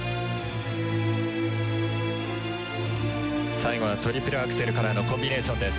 最後はトリプルアクセルからのコンビネーションです。